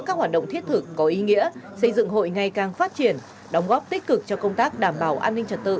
các hoạt động thiết thực có ý nghĩa xây dựng hội ngày càng phát triển đóng góp tích cực cho công tác đảm bảo an ninh trật tự